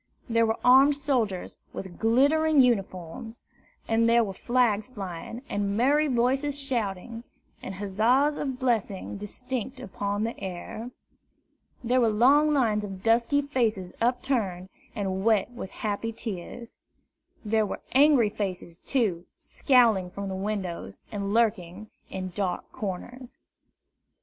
There were armed soldiers with glittering uniforms, and there were flags flying, and merry voices shouting, and huzzas and blessings distinct upon the air. There were long lines of dusky faces upturned, and wet with happy tears. There were angry faces, too, scowling from windows, and lurking in dark corners.